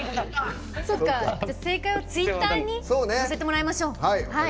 そっかじゃ正解はツイッターにのせてもらいましょう。